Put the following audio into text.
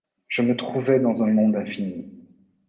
Je me trouvais dans un monde infini...